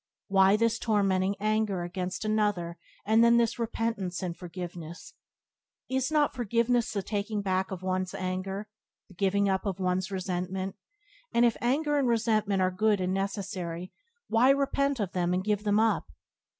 Why this tormenting anger against another and then this repentance and forgiveness? Is not forgiveness the taking back of one's anger, the giving up of one's resentment; and if anger and resentment are good and necessary why repent of them and give them up?